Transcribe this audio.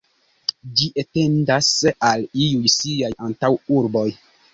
Ĝi etendas al iuj siaj antaŭurboj.